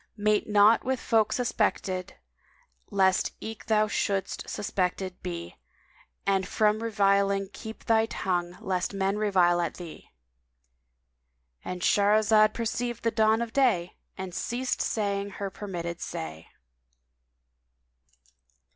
Mate not with folk suspected, lest eke thou shouldst suspected be * And from reviling keep thy tongue lest men revile at thee!" —And Shahrazad perceived the dawn of day and ceased saying her permitted say.